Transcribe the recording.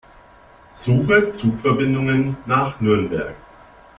Suche Zugverbindungen nach Nürnberg.